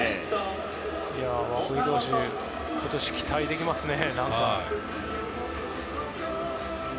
涌井投手、今年期待できますね。